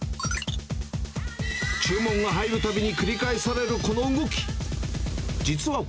注文が入るたびに繰り返されるこの動き。